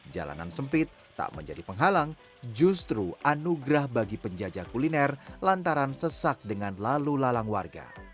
jalanan sempit tak menjadi penghalang justru anugerah bagi penjajah kuliner lantaran sesak dengan lalu lalang warga